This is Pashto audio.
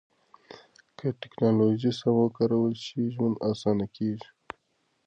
که ټکنالوژي سمه وکارول شي، ژوند اسانه کېږي.